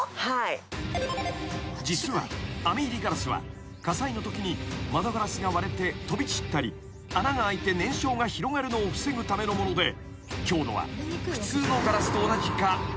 ［実は網入りガラスは火災のときに窓ガラスが割れて飛び散ったり穴が開いて燃焼が広がるのを防ぐためのもので強度は普通のガラスと同じかむしろ弱い］